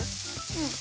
うん。